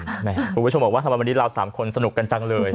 คุณผู้ชมบอกว่าทำไมวันนี้เรา๓คนสนุกกันจังเลย